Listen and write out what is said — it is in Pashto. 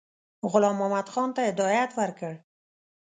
غلام محمدخان ته هدایت ورکړ.